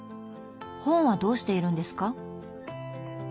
本はどうしているんですか？